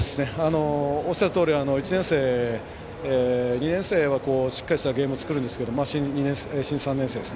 おっしゃるとおり２年生はしっかりとしたゲームを作るんですけど新３年生は。